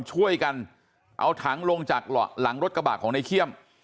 ช่วยกันเอาถังลงจากหลังรถกระบะของในเขี้ยม